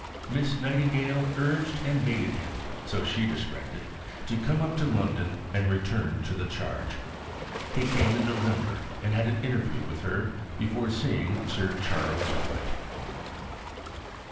Miss Nightingale "urged and baited him" (so she described it) to come up to London and return to the charge. He came in November, and had an interview with her before seeing Sir Charles Wood.